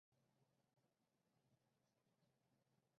尼纳奇是位于美国加利福尼亚州洛杉矶县的一个非建制地区。